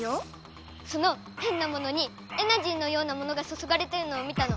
そのへんなものにエナジーのようなものがそそがれてるのを見たの！